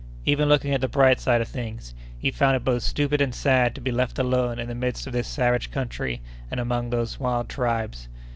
Even looking at the bright side of things, he found it both stupid and sad to be left alone in the midst of this savage country and among these wild tribes.